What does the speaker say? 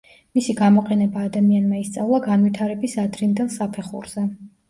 მისი გამოყენება ადამიანმა ისწავლა განვითარების ადრინდელ საფეხურზე.